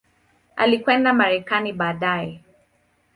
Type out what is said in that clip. Alikwenda Marekani baadaye.